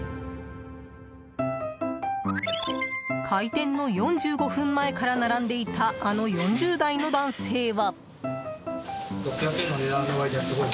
開店の４５分前から並んでいたあの４０代の男性は。